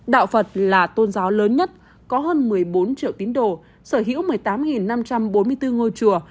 đạo phật là tôn giáo lớn nhất có hơn một mươi bốn triệu tín đồ sở hữu một mươi tám năm trăm bốn mươi bốn ngôi chùa